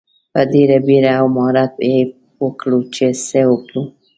په ډیره بیړه او مهارت یې پوه کړو چې څه وکړو.